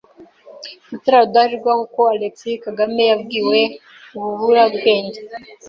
Mutara Rudahigwa kuko Alexis Kagame yabwiwe Ububurabwenge